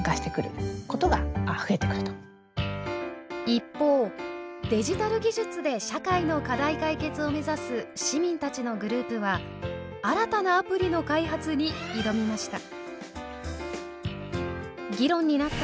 一方デジタル技術で社会の課題解決を目指す市民たちのグループは新たなアプリの開発に挑みました。